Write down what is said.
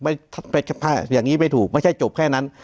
อย่างนี้ไม่ถูกไม่ใช่จบแค่นั้น